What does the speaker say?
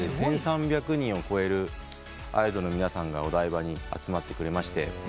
１，３００人を超えるアイドルの皆さんがお台場に集まってくれまして。